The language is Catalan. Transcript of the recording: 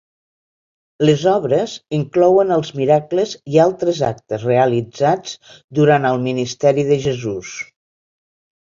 Les obres inclouen els miracles i altres actes realitzats durant el ministeri de Jesús.